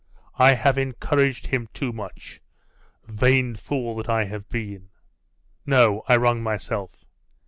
I have encouraged him too much vain fool that I have been! No, I wrong myself!